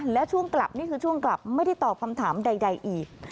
และช่วงกลับนี่คือช่วงกลับไม่ได้ตอบคำถามใดอีก